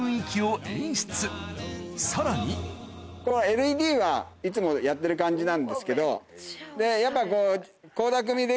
さらにこのＬＥＤはいつもやってる感じなんですけどやっぱこう。